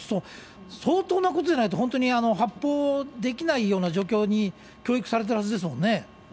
相当なことじゃないと、本当に発砲できないような状況に教育されてるはずですもんね。